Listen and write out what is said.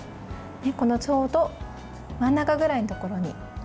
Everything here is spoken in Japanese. ちょうど真ん中ぐらいのところに。